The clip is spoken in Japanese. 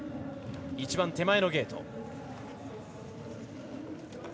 一番手前のゲート。